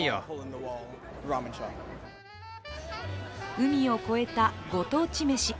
海を越えたご当地メシ。